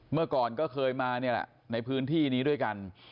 เมื่อก่อนเขาเคยมาในพื้นที่นี้ด้วยกัน